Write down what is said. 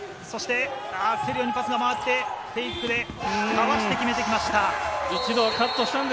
セリオにパスが回ってフェイクでかわして決めてきました。